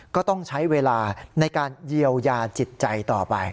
ก็ต้องใช้เวลาในการเยียวยาจิตใจต่อไป